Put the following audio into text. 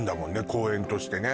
公園としてね